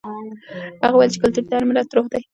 هغه وویل چې کلتور د هر ملت روح وي.